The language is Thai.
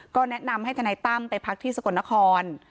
ก็แนะนำให้ทนายตั้มไปพักที่สกลนคร